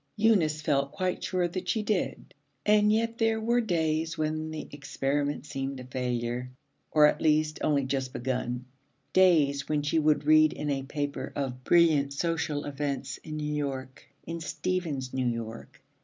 Eunice felt quite sure that she did, and yet there were days when the experiment seemed a failure, or at least only just begun: days when she would read in a paper of brilliant social events in New York, in Stephen's New York.